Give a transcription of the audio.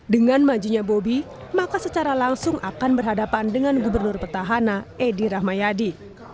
dengan majunya bobi maka secara langsung akan berhadapan dengan gubernur petahana edi rahmayadi